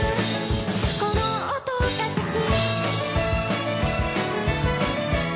「この音が好き」